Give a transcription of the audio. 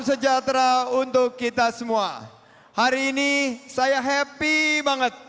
sedangkan sera geng